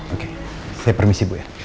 oke saya permisi bu ya